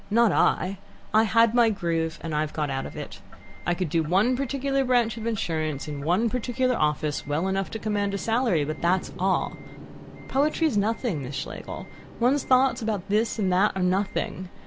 Not I. I had my groove, and I've got out of it. I could do one particular branch of insurance in one particular office well enough to command a salary, but that's all. Poetry's nothing, Miss Schlegel. One's thoughts about this and that are nothing.